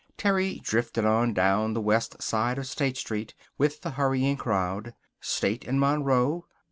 Terry drifted on down the west side of State Street, with the hurrying crowd. State and Monroe.